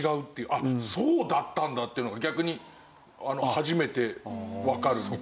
あっそうだったんだっていうのが逆に初めてわかるみたいな。